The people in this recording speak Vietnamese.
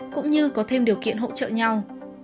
cũng như có thêm điều kiện hỗ trợ nhau